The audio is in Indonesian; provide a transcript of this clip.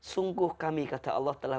sungguh kami kata allah telah